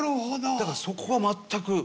だからそこは全く。